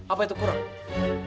apa itu kurang